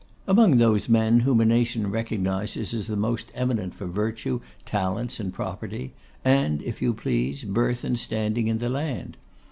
'Among those men whom a nation recognises as the most eminent for virtue, talents, and property, and, if you please, birth and standing in the land.